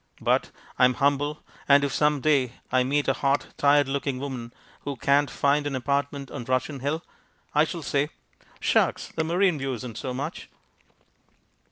But I am humble and if some day I meet a hot, tired looking woman who can't find an apartment on Russian Hill, I shall say: "Shucks, a marine view isn't so much."